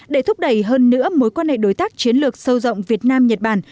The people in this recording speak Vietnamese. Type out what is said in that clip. để thúc đẩy hơn nữa mối quan hệ đối tác chiến lược sâu rộng việt nam nhật bản